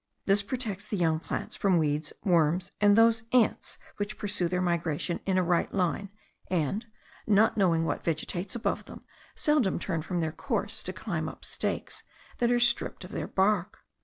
This protects the young plants from weeds, worms, and those ants which pursue their migration in a right line, and, not knowing what vegetates above them, seldom turn from their course to climb up stakes that are stripped of their bark.